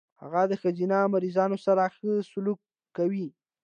هغه د ښځينه مريضانو سره ښه سلوک کوي.